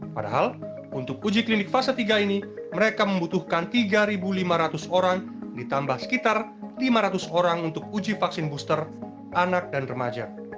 padahal untuk uji klinik fase tiga ini mereka membutuhkan tiga lima ratus orang ditambah sekitar lima ratus orang untuk uji vaksin booster anak dan remaja